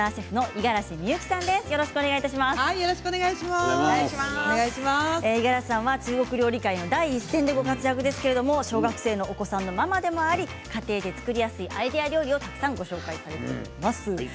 五十嵐さんは中国料理界で第一線でご活躍ですが小学生のお子さんのママでもいらして家庭で作りやすいアイデア料理をご紹介なさっています。